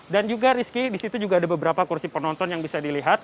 dan juga rizky disitu juga ada beberapa kursi penonton yang bisa dilihat